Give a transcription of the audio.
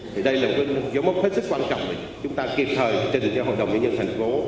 thì đây là một cái giống mất hết sức quan trọng chúng ta kịp thời trình cho hội đồng nhân dân thành phố